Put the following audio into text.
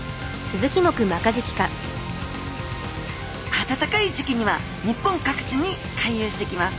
暖かい時期には日本各地に回遊してきます